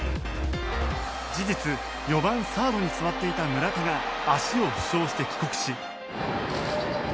事実４番サードに座っていた村田が足を負傷して帰国し。